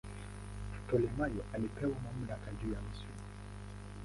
Ptolemaio alipewa mamlaka juu ya Misri.